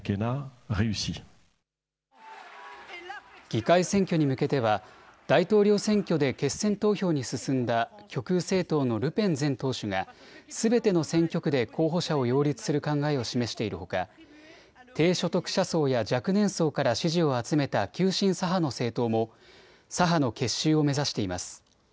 議会選挙に向けては大統領選挙で決選投票に進んだ極右政党のルペン前党首がすべての選挙区で候補者を擁立する考えを示しているほか低所得者層や若年層から支持を集めた急進左派の政党も左派の結集を目指しています。